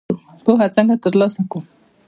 پوهه څنګه تر لاسه کړو؟